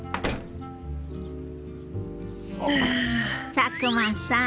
佐久間さん。